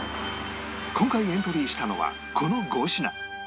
今回エントリーしたのはこの５品